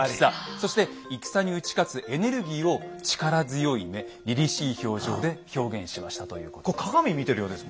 そして戦に打ち勝つエネルギーを力強い目りりしい表情で表現しましたということです。